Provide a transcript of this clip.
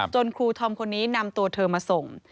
ครูธอมคนนี้นำตัวเธอมาส่ง